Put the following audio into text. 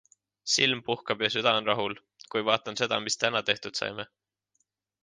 Silm puhkab ja süda on rahul, kui vaatan seda, mis täna tehtud saime.